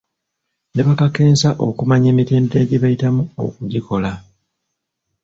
Ne bakakensa okumanya emitendera gye bayitamu okugikola.